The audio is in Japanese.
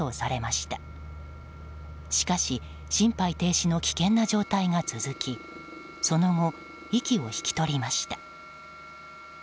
しかし心肺停止の危険な状態が続きその後、息を引き取りました。